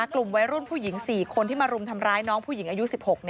กลุ่มวัยรุ่นผู้หญิง๔คนที่มารุมทำร้ายน้องผู้หญิงอายุ๑๖